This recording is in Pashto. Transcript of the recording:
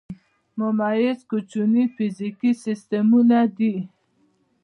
میمز کوچني فزیکي سیسټمونه دي.